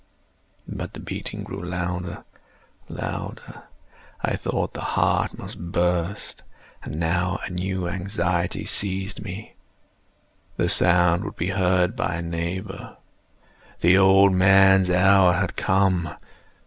But the beating grew louder, louder! I thought the heart must burst. And now a new anxiety seized me—the sound would be heard by a neighbour! The old man's hour had come!